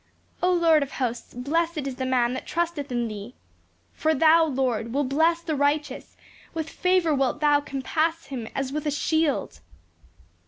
"O Lord of hosts, blessed is the man that trusteth in thee." "For thou, Lord, wilt bless the righteous; with favor wilt thou compass him as with a shield."